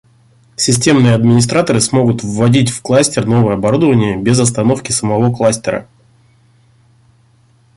Системные администраторы смогут вводить в кластер новое оборудование без остановки самого кластера